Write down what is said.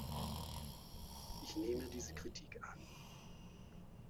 Ich nehme diese Kritik an.